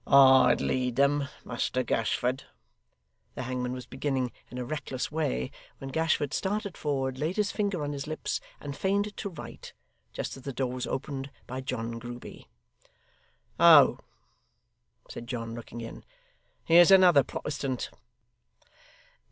'I'd lead them, Muster Gashford,' the hangman was beginning in a reckless way, when Gashford started forward, laid his finger on his lips, and feigned to write, just as the door was opened by John Grueby. 'Oh!' said John, looking in; 'here's another Protestant.